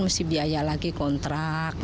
mesti biaya lagi kontrak